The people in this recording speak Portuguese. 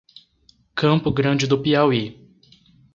Campo Grande do Piauí